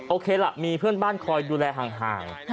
โอเคล่ะมีเพื่อนบ้านคอยดูแลห่าง